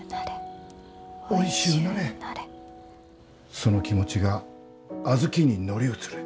その気持ちが小豆に乗り移る。